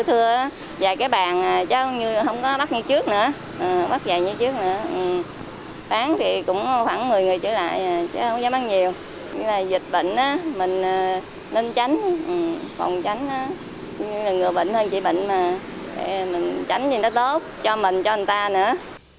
như là người bệnh hơn chỉ bệnh mà mình tránh thì nó tốt cho mình cho người ta nữa